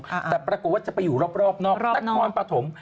แต่ปรากฏว่าจะไปอยู่รอบนอกตะกอนปะถม